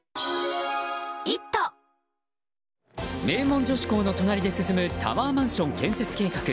名門女子校の隣で進むタワーマンション建設計画。